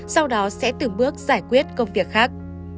sau đó sẽ từng bước giải quyết công việc khác